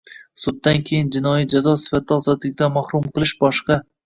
Suddan keyingi jinoiy jazo sifatida ozodlikdan mahrum qilish boshqa